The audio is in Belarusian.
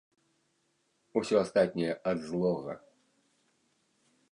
Усё астатняе ад злога.